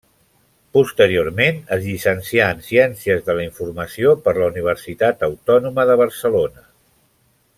Posteriorment, es llicencià en Ciències de la Informació per la Universitat Autònoma de Barcelona.